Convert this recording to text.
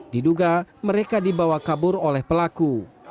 diduga mereka dibawa kabur oleh pelaku